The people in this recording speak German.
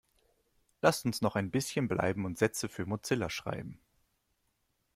Lasst uns noch ein bisschen bleiben und Sätze für Mozilla schreiben.